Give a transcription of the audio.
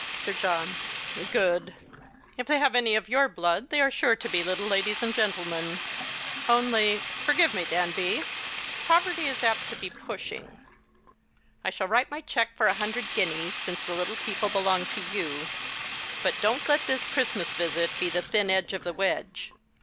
Sir John. Good. If they liave any of your blood they are sure to be little ladies and gentlemen. Only — forgive me, Danby — poverty is ajjt to be pushing. I shall write my cheque for a hundred guineas, since the little people belong to you ; but don't let this Christmas visit be the thin end of the wedge.